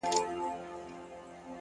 سیاه پوسي ده، ماسوم یې ژاړي،